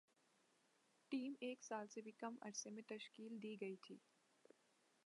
team ایک سال سے بھی کم عرصے میں تشکیل دی گئی تھی